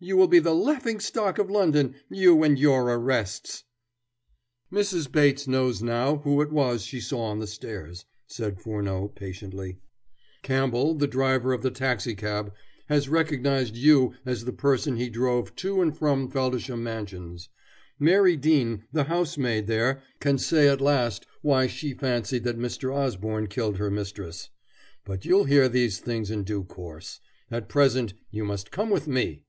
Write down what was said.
You will be the laughing stock of London, you and your arrests." "Mrs. Bates knows now who it was she saw on the stairs," said Furneaux patiently. "Campbell, the driver of the taxicab, has recognized you as the person he drove to and from Feldisham Mansions. Mary Dean, the housemaid there, can say at last why she fancied that Mr. Osborne killed her mistress. But you'll hear these things in due course. At present you must come with me."